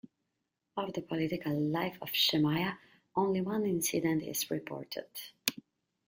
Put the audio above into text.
Of the political life of Shemaiah only one incident is reported.